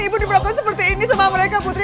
ibu diperlakukan seperti ini sama mereka putri